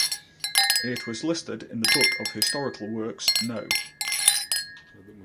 It was listed in the Book of Historical Works no.